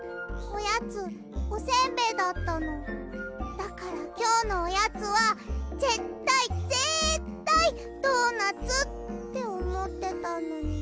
だからきょうのおやつはぜったいぜったいドーナツっておもってたのに。